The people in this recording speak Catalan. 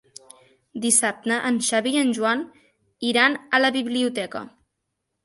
Dissabte en Xavi i en Joan iran a la biblioteca.